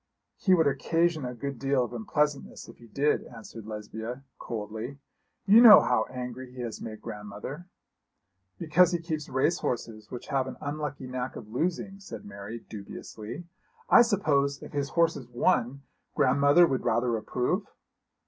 'He would occasion a good deal of unpleasantness if he did,' answered Lesbia, coldly. 'You know how angry he has made grandmother.' 'Because he keeps race horses which have an unlucky knack of losing,' said Mary, dubiously. 'I suppose if his horses won, grandmother would rather approve?'